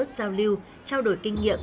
giao lưu trao đổi kinh nghiệm